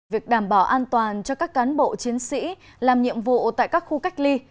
việc đảm bảo an toàn cho các cán bộ chiến sĩ làm nhiệm vụ tại các khu cách ly